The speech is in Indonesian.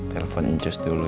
telepon jus dulu ya